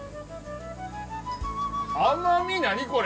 甘み何これ。